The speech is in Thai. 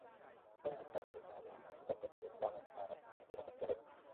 แค่ใส่นาฬิกาไว้ที่แขนนี่บอกได้หมดเลยนะว่าว่ายน้ำท่าอะไร พักขอบสระกี่รอบ จับชีพจรใต้น้ำได้อีก